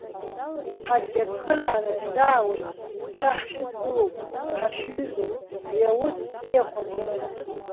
Ҳаргьы ацхыраара шәзаауеит, шәа ҳшәыдгылоуп, ҳашәҩызоуп уи аус бзиахә аҿы.